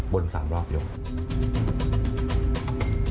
วน๓รอบเยอะ